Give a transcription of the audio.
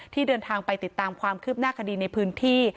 เดินทางไปติดตามความคืบหน้าคดีในพื้นที่